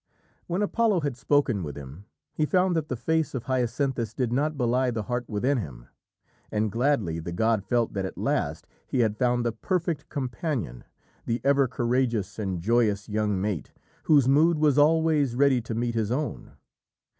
When Apollo had spoken with him he found that the face of Hyacinthus did not belie the heart within him, and gladly the god felt that at last he had found the perfect companion, the ever courageous and joyous young mate, whose mood was always ready to meet his own.